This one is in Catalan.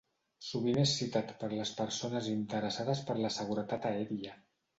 Sovint és citat per les persones interessades per la seguretat aèria.